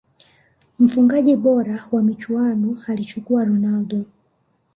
mfungaji bora wa michuano alichukua ronaldo